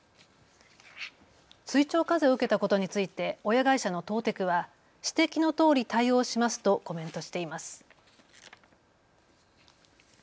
追徴課税を受けたことについて親会社の東テクは指摘のとおり対応しますとコメントしています。